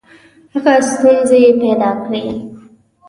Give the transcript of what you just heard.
هغه ستونزي پیدا کړې.